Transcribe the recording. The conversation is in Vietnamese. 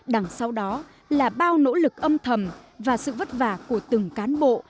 đằng sau đó là bao nỗ lực âm thầm và sự vất vả của từng cán bộ